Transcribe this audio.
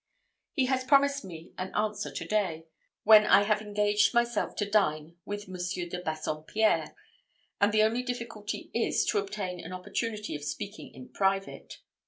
He has promised me an answer to day, when I have engaged myself to dine with Monsieur de Bassompierre; and the only difficulty is to obtain an opportunity of speaking in private.